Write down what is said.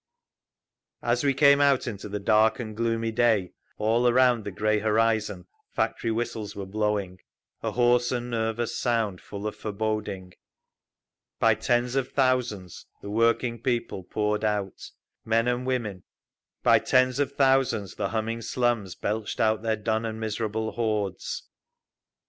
As we came out into the dark and gloomy day all around the grey horizon factory whistles were blowing, a hoarse and nervous sound, full of foreboding. By tens of thousands the working people poured out, men and women; by tens of thousands the humming slums belched out their dun and miserable hordes.